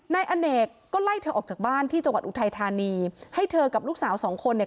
นายอเนกก็ไล่เธอออกจากบ้านที่จังหวัดอุทัยธานีให้เธอกับลูกสาวสองคนเนี่ย